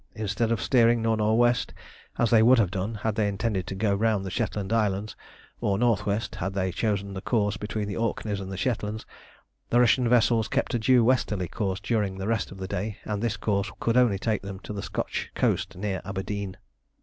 Instead of steering nor' nor' west, as they would have done had they intended to go round the Shetland Islands, or north west, had they chosen the course between the Orkneys and the Shetlands, the Russian vessels kept a due westerly course during the rest of the day, and this course could only take them to the Scotch coast near Aberdeen.